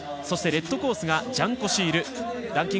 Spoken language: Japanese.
そしてレッドコースがジャン・コシール。